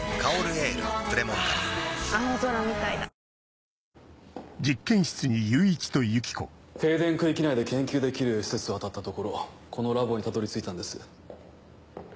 プレモルからはぁ青空みたいだ停電区域内で研究できる施設を当たったところこのラボにたどり着いたんです。